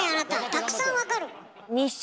たくさんわかる。